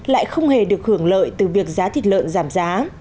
lại không hề được hưởng lợi từ việc giá thịt lợn giảm giá